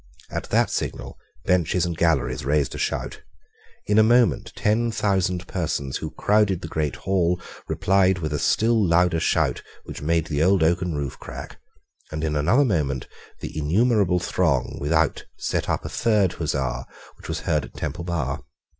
At that signal, benches and galleries raised a shout. In a moment ten thousand persons, who crowded the great hall, replied with a still louder shout, which made the old oaken roof crack; and in another moment the innumerable throng without set up a third huzza, which was heard at Temple Bar.